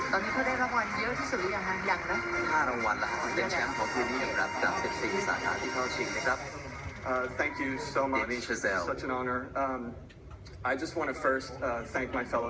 ตอนนี้เขาได้รางวัลเยอะที่สุดอย่างหลังอย่างละ